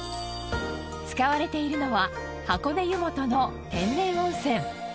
使われているのは箱根湯本の天然温泉。